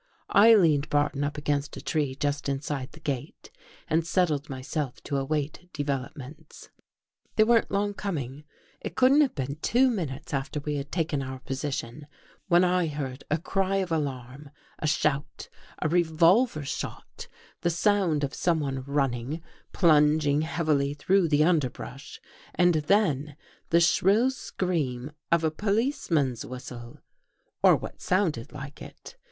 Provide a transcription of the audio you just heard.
I leaned Barton up against a tree ^ just inside the gate and settled myself to await i developments. | They weren't long coming. It couldn't have |i been two minutes after we had taken our position, when I heard a cry of alarm — a shout — a revolver I shot — the sound of someone running, plunging !' heavily through the underbrush — and then the | shrill scream of a policeman's whistle — or what j sounded like it.